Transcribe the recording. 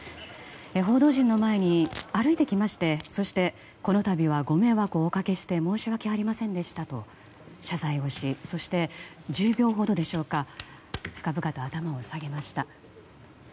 報道陣の前に歩いてきましてそして、この度はご迷惑をおかけして申し訳ございませんでしたと謝罪をしそして１０秒ほどでしょうか深々と頭を下げました。